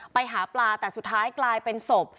ไปหาปลาแต่สุดท้ายกลายเป็นศพ